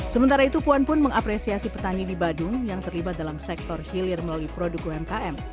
sementara itu puan pun mengapresiasi petani di badung yang terlibat dalam sektor hilir melalui produk umkm